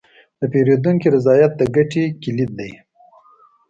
د پیرودونکي رضایت د ګټې کلید دی.